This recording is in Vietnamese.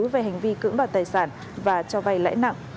về hành vi cưỡng đoạt tài sản và cho vay lãi nặng